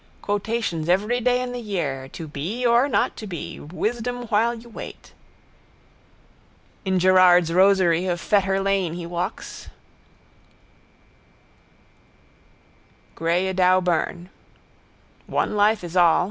Quotations every day in the year. To be or not to be. Wisdom while you wait. In Gerard's rosery of Fetter lane he walks, greyedauburn. One life is all.